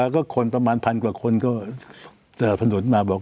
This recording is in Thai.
ก็ประมาณทันกว่าคนก็จดพนุทธมาบอก